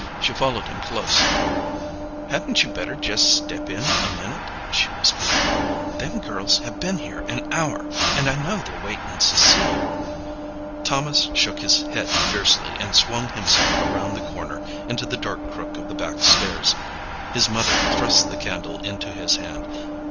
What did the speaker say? She followed him close. "Hadn't you better jest step in a minute?" she whispered. "Them girls have been here an hour, and I know they're waitin' to see you." Thomas shook his head fiercely, and swung himself around the corner into the dark crook of the back stairs. His mother thrust the candle into his hand.